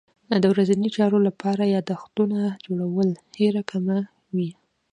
د ورځني چارو لپاره یادښتونه جوړول هېره کمه وي.